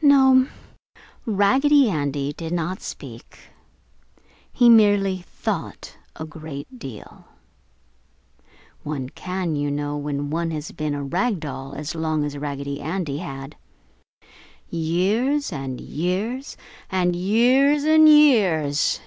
No, Raggedy Andy did not speak; he merely thought a great deal. One can, you know, when one has been a rag doll as long as Raggedy Andy had. Years and years and years and years!